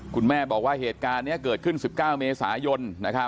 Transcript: คุณแม่บอกว่าเหตุการณ์นี้เกิดขึ้น๑๙เมษายน